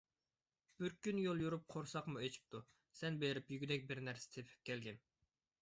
بىر كۈن يول يۈرۈپ قورساقمۇ ئېچىپتۇ. سەن بېرىپ يېگۈدەك بىرنەرسە تېپىپ كەلگىن.